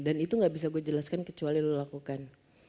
dan itu gak bisa gue jelaskan kecuali lo lakukan